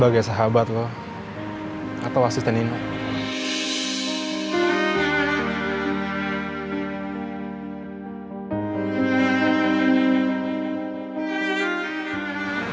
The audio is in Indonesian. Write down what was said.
kenapa lu abis kencan